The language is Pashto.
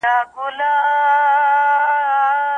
مجازي اړيکي د اصلي اړيکو ځای نه نيسي.